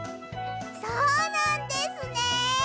そうなんですね！